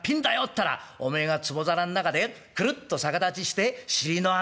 ったらおめえがつぼ皿ん中でくるっと逆立ちして尻の穴。